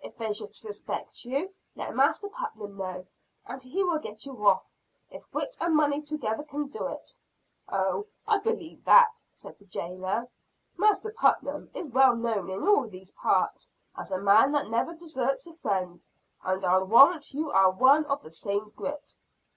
"If they should suspect you, let Master Putnam know, and he will get you off, if wit and money together can do it." "Oh, I believe that," said the jailer. "Master Putnam is well known in all these parts, as a man that never deserts a friend; and I'll warrant you are one of the same grit."